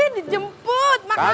dijemput makasih abang